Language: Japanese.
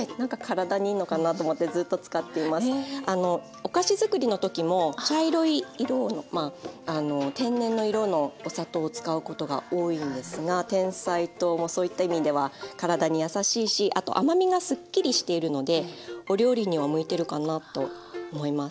お菓子作りの時も茶色い色の天然の色のお砂糖を使うことが多いんですがてんさい糖もそういった意味では体に優しいしあと甘みがすっきりしているのでお料理には向いてるかなと思います。